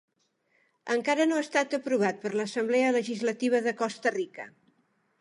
Encara no ha estat aprovat per l'Assemblea Legislativa de Costa Rica.